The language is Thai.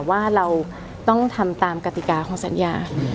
ว่าเราต้องทำตามกติกาของสัญญา